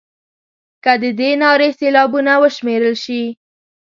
که د دې نارې سېلابونه وشمېرل شي.